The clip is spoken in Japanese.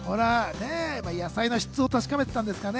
野菜の質を確かめてたんですかね。